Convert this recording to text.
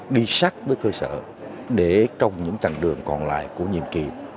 đi sát với cơ sở để trong những chặng đường còn lại của nhiệm kỳ